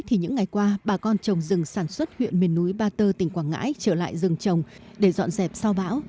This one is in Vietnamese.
thì những ngày qua bà con trồng rừng sản xuất huyện miền núi ba tơ tỉnh quảng ngãi trở lại rừng trồng để dọn dẹp sau bão